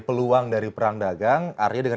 peluang dari perang dagang arya dengan